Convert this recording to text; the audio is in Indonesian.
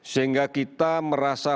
sehingga kita merasa